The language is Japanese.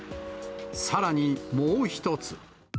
さらにもう一つ。